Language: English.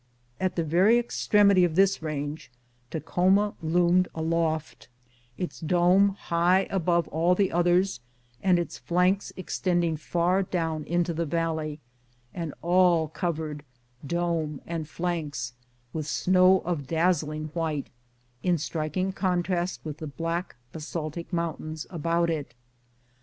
At tne very extremity of this range Takhoma loomed aloft, its dome high above all others and its flanks extending far down into the valley, and all covered, dome and flanks, with snow of dazzling white, in striking contrast with the black basaltic mountains about it.